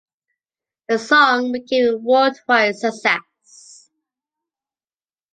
The song became a world wide success.